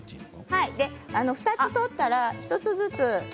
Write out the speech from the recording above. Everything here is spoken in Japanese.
２つ取ったら１つずつ。